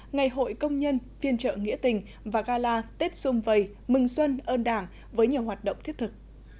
ngày hội công nhân phiên trợ nghĩa tình và gala tết xung vầy mừng xuân ơn đảng với nhiều hoạt động thiết thực